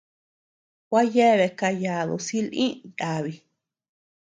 Gua yeabea kayadu silï yabi.